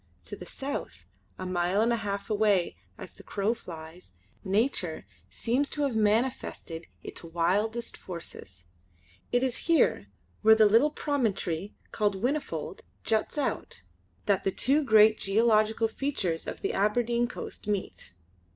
To the south, a mile and a half away as the crow flies, Nature seems to have manifested its wildest forces. It is here, where the little promontory called Whinnyfold juts out, that the two great geological features of the Aberdeen coast meet.